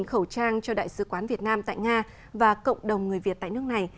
một mươi khẩu trang cho đại sứ quán việt nam tại nga và cộng đồng người việt tại nước này